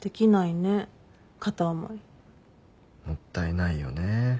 もったいないよね。